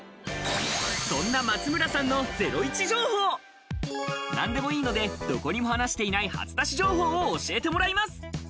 そんな松村さんのゼロイチ情報、何でもいいので、どこにも話していない初出し情報を教えてもらいます。